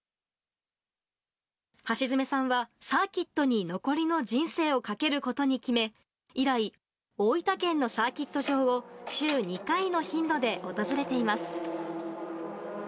橋爪さんは、サーキットに残りの人生をかけることに決め、以来、大分県のサーキット場を、週２回の頻度で訪れています。